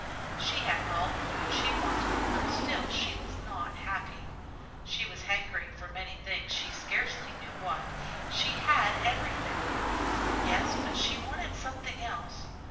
She had all the food she wanted, but still she was not happy. She was hankering for many things, she scarcely knew what. She had everything yes, but she wanted something else.